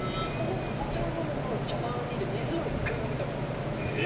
お茶を飲むのはたまにで水は１回も見たことないです。